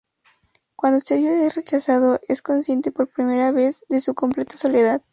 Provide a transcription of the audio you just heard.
Cuando Sergio es rechazado es consciente por vez primera de su completa soledad.